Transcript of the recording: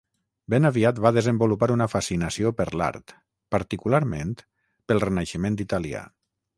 Ben aviat va desenvolupar una fascinació per l'art, particularment pel Renaixement italià.